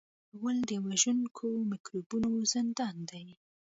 غول د وژونکو میکروبونو زندان دی.